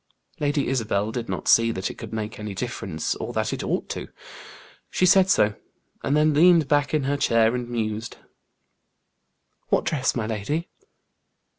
Lady Isabel did not see that it could make any difference, or that it ought to. She said so; and then leaned back in her chair and mused. "What dress, my lady?"